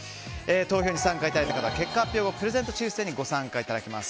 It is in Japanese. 投票に参加いただいた方は結果発表後、プレゼント抽選にご応募いただけます。